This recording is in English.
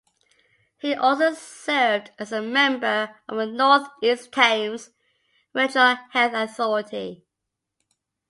He also served as a member of the North East Thames Regional Health Authority.